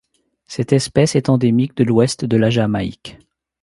Cette espèce est endémique de l'Ouest de la Jamaïque.